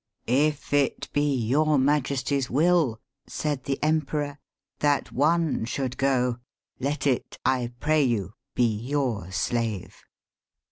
^'K it be your Majesty's will," said the Emperor, "that one should go, let it, I pray you, be your slave."